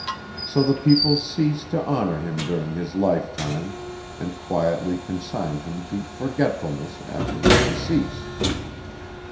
So the people ceased to honor him during his lifetime, and quietly consigned him to forgetfulness after his decease.